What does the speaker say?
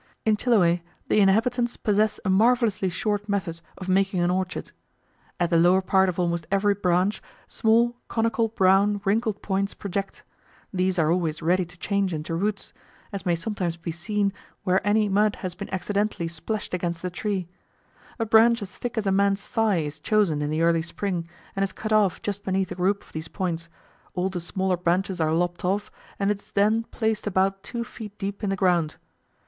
In Chiloe the inhabitants possess a marvellously short method of making an orchard. At the lower part of almost every branch, small, conical, brown, wrinkled points project: these are always ready to change into roots, as may sometimes be seen, where any mud has been accidentally splashed against the tree. A branch as thick as a man's thigh is chosen in the early spring, and is cut off just beneath a group of these points, all the smaller branches are lopped off, and it is then placed about two feet deep in the ground.